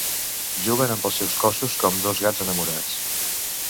Juguen amb els seus cossos com dos gats enamorats.